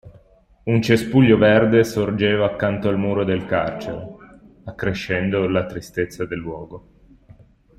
Un cespuglio verde sorgeva accanto al muro del carcere, accrescendo la tristezza del luogo.